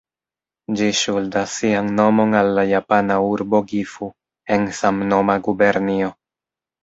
Ĝi ŝuldas sian nomon al la japana urbo Gifu, en samnoma gubernio.